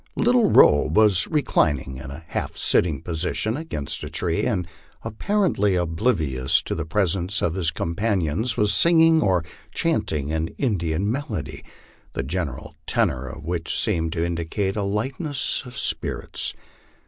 Little Robe was reclin ing, in a half sitting position, against a tree, and, apparently oblivious to the presence of hi* companions, was singing or chanting an Indian melody, the general tenor of which seemed to indicate a lightness of spirits.